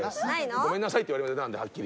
「ごめんなさい」って言われたんではっきり。